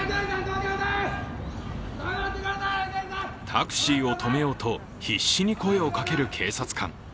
タクシーを止めようと必死に声をかける警察官。